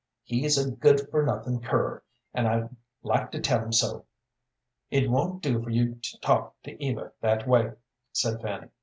He's a good for nothing cur, an' I'd like to tell him so." "It won't do for you to talk to Eva that way," said Fanny.